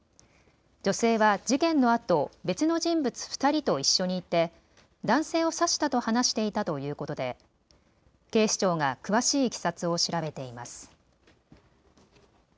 女性は事件のあと別の人物２人と一緒にいて男性を刺したと話していたということで警視庁が詳しいいきさつを調べています。